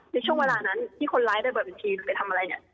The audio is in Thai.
ในช่วงเวลานั้นที่คนร้ายได้เปิดบัญชีหรือไปทำอะไรเนี่ย